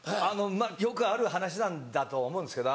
よくある話なんだとは思うんですけど。